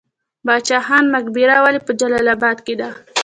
باچا خان مقبره ولې په جلال اباد کې ده؟